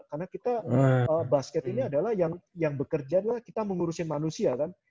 karena kita basket ini adalah yang bekerja adalah kita mengurusin manusia kan